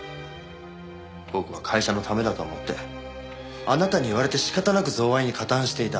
僕は会社のためだと思ってあなたに言われて仕方なく贈賄に加担していた。